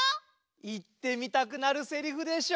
言ってみたくなるせりふでしょ？